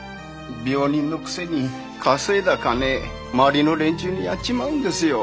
病人のくせに稼いだ金周りの連中にやっちまうんですよ。